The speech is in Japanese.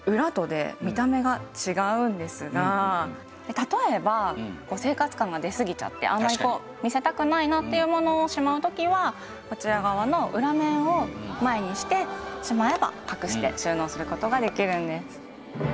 例えば生活感が出すぎちゃってあんまり見せたくないなっていうものをしまう時はこちら側の裏面を前にしてしまえば隠して収納する事ができるんです。